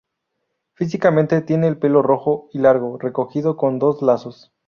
Físicamente tiene el pelo rojo y largo, recogido con dos lazos.